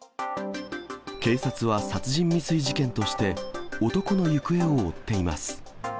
警察は、殺人未遂事件として、男の行方を追っています。